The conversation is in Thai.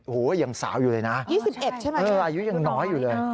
โอ้โหยังสาวอยู่เลยนะ๒๑ใช่ไหมอายุยังน้อยอยู่เลย